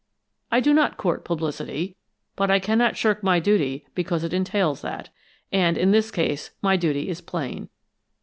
I do not court publicity, but I cannot shirk my duty because it entails that. And in this case my duty is plain.